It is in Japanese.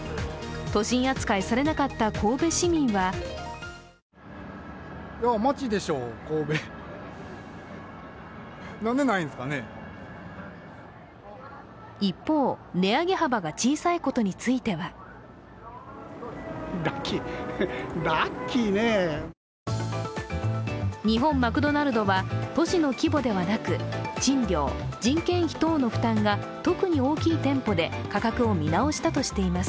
都心扱いされなかった神戸市民は一方、値上げ幅が小さいことについては日本マクドナルドは、都市の規模ではなく、賃料、人件費等の負担が特に大きい店舗で価格を見直したとしています。